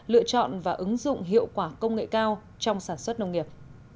lựa chọn và ứng dụng hiệu quả công nghệ cao trong sản xuất nông nghiệp